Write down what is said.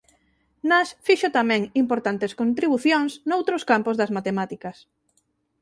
Nash fixo tamén importantes contribucións noutros campos das Matemáticas.